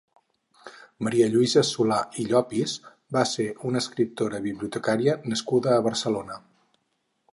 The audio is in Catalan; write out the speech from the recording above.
Maria Lluïsa Solà i Llopis va ser una escriptora i bibliotecària nascuda a Barcelona.